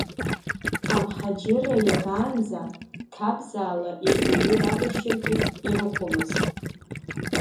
Амхаџьырра иагаанӡа, ҭабзалаа иагьаҩы рабашьыргьы ирыхәомызт.